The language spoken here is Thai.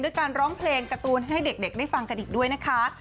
การร้องเพลงการ์ตูนให้เด็กได้ฟังกันอีกด้วยนะคะ